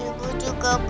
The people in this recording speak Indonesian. itu itu bos itu